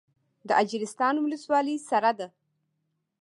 د اجرستان ولسوالۍ سړه ده